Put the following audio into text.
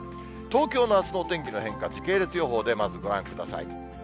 東京のあすのお天気の変化、時系列予報で、まずご覧ください。